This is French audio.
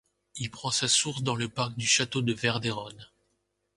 Il prend sa source dans le parc du château de Verderonne.